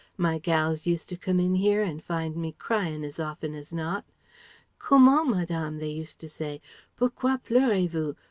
My gals used to come in here and find me cryin' as often as not.... 'Comment, Madame,' they used to say, 'pourquoi pleurez vous?